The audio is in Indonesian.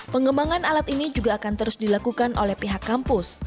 pengembangan alat ini juga akan terus dilakukan oleh pihak kampus